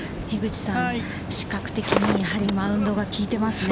視覚的にマウンドが効いてますね。